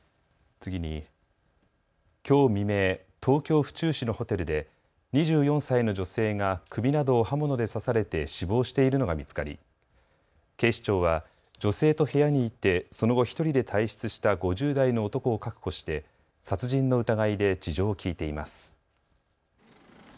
次に、きょう未明、東京府中市のホテルで２４歳の女性が首などを刃物で刺されて死亡しているのが見つかり警視庁は女性と部屋にいてその後、１人で退出した５０代の男を確保して殺人の疑いで事情を聴いています。